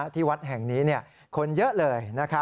ที่วัดแห่งนี้คนเยอะเลย